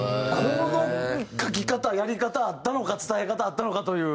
この書き方やり方あったのか伝え方あったのかという。